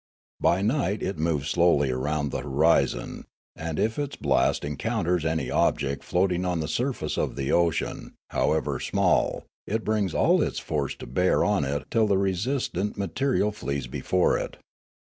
By night it moves slowly around the horizon, and, if its blast encounters any object floating on the surface of Noola 387 the ocean, however small, it brings all its force to bear on it till the resistant material flees before it.